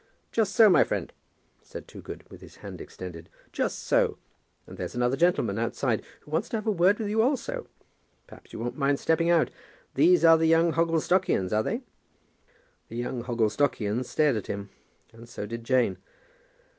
"Just so, my friend," said Toogood, with his hand extended, "just so; and there's another gentleman outside who wants to have a word with you also. Perhaps you won't mind stepping out. These are the young Hogglestockians; are they?" [Illustration: "These are the young Hogglestockians, are they?"] The young Hogglestockians stared at him, and so did Jane.